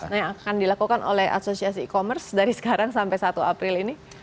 nah yang akan dilakukan oleh asosiasi e commerce dari sekarang sampai satu april ini